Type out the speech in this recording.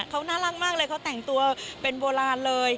เขาน่ารักมากเลยเขาแต่งตัวเป็นโบราณเลย